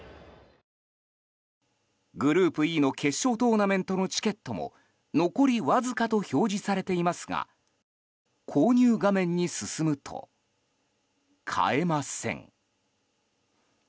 グループＥの決勝トーナメントのチケットも「残りわずか」と表示されていますが購入画面に進むと買えません。